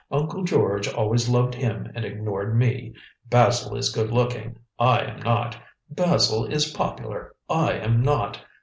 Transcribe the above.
Uncle George always loved him and ignored me. Basil is good looking; I am not. Basil is popular; I am not.